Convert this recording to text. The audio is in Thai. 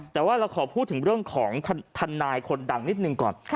แต่ว่าเราขอพูดถึงเรื่องของทนายคนดังนิดหนึ่งก่อน